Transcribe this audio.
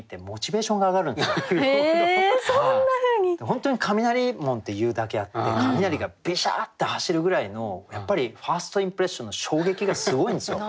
本当に雷門っていうだけあって雷がビシャッて走るぐらいのやっぱりファーストインプレッションの衝撃がすごいんですよ。